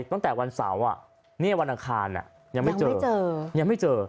ตั้งแต่วันเสาร์วันอังคารยังไม่เจอ